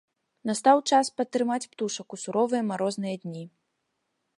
Настаў час падтрымаць птушак у суровыя марозныя дні.